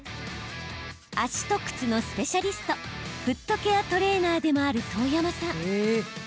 足と靴のスペシャリストフットケアトレーナーでもある遠山さん。